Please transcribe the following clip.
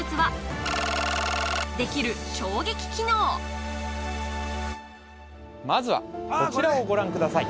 それはまずはこちらをご覧ください